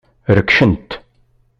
Rekcen-t.